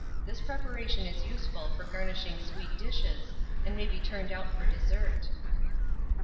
This preparation is useful for garnishing sweet dishes, and may be turned out for dessert.